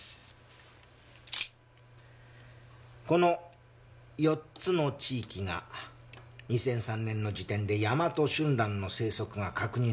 この４つの地域が２００３年の時点でヤマトシュンランの生息が確認された地域。